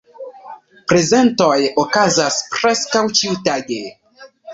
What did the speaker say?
Prezentoj okazas preskaŭ ĉiutage.